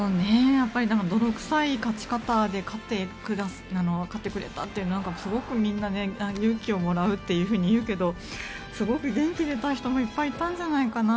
泥臭い勝ち方で勝ってくれたというのがすごくみんな勇気をもらうと言うけどすごく元気が出た人もいっぱいいたんじゃないかな。